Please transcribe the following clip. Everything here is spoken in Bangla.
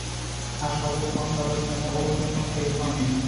হাসপাতালে ফোন করার জন্য ওর রুমে কোনো টেলিফোন নেই।